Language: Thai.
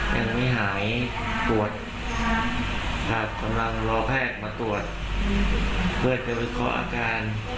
แต่มันไม่หายปวดครับกำลังรอแพทย์มาตรวจเพื่อจะวิเคราะห์อาการ